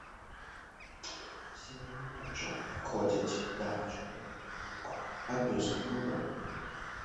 Серыі матчаў праходзяць да чатырох перамог адной з камандаў.